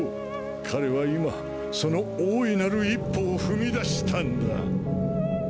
彼は今その大いなる一歩を踏み出したんだ！